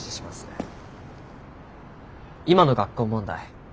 今の学校問題